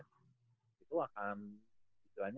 itu akan istilahnya akan sangat sulit gitu ya untuk menurut saya